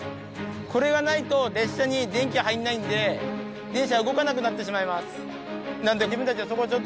これがないと列車に電気が入らないので電車が動かなくなってしまいます。